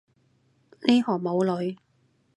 呢行冇女